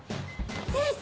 先生！